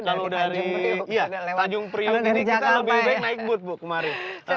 kalau dari tanjung priok ini kita lebih baik naik but bu kemarin